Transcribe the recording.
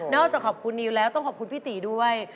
อกจากขอบคุณนิวแล้วต้องขอบคุณพี่ตีด้วย